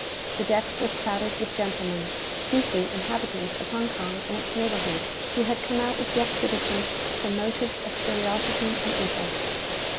The deck was crowded with gentlemen, chiefly inhabitants of Hong Kong and its neighbourhood, who had come out with the expedition from motives of curiosity and interest.